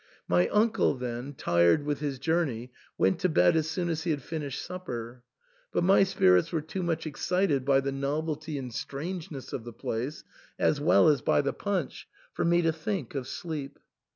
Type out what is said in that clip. My uncle then, tired with his journey, went to bed as soon as he had finished supper ; but my spirits were too much excited by the novelty and strangeness of the place, as well as by the punch, for me to think of sleep.